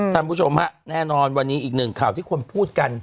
คุณผู้ชมฮะแน่นอนวันนี้อีกหนึ่งข่าวที่ควรพูดกัน